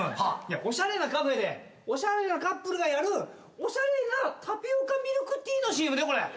おしゃれなカフェでおしゃれなカップルがやるおしゃれなタピオカミルクティーのＣＭだよ。